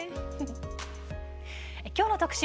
きょうの特集